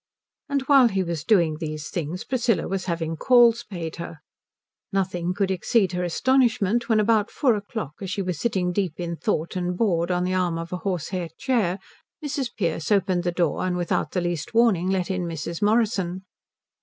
And while he was doing these things Priscilla was having calls paid her. Nothing could exceed her astonishment when about four o'clock, as she was sitting deep in thought and bored on the arm of a horsehair chair, Mrs. Pearce opened the door and without the least warning let in Mrs. Morrison.